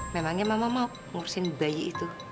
memangnya mama mau ngurusin bayi itu